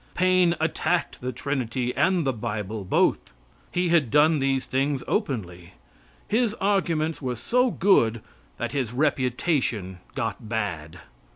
Paine attacked the Trinity and the bible both. He had done these things openly His arguments were so good that his reputation got bad.